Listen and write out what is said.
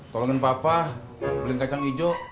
tolongin papa beliin kacang hijau